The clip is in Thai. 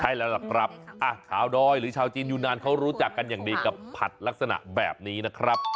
ใช่แล้วล่ะครับชาวดอยหรือชาวจีนยูนานเขารู้จักกันอย่างดีกับผัดลักษณะแบบนี้นะครับ